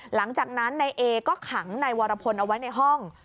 หลังจากนั้นนายเอก็ขังนายวรพลเอาไว้ในห้อง